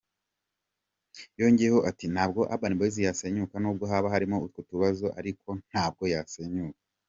Yongeyeho ati “Ntabwo Urban Boyz yasenyuka, nubwo haba harimo utwo tubazo ariko ntabwo yasenyuka.